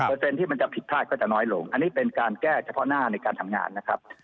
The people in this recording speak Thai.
ที่มันจะผิดพลาดก็จะน้อยลงอันนี้เป็นการแก้เฉพาะหน้าในการทำงานนะครับ